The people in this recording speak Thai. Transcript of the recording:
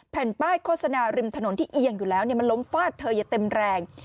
แผ่นป้ายโฆษณาริมถนนที่เอียงอยู่แล้วมันล้มฟาดเธออย่าเต็มแรง